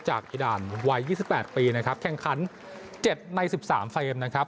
จากอีดานวัย๒๘ปีแข่งขั้น๗ใน๑๓เฟรม